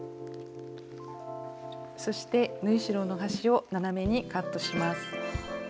そして縫い代の端を斜めにカットします。